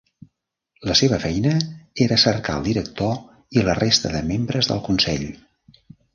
La seva feina era cercar el director i la resta de membres del consell.